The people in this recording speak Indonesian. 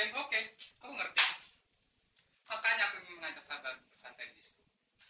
mengajak sahabat bersantai di disco